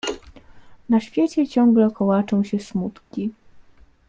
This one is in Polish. "Na świecie ciągle kołaczą się smutki."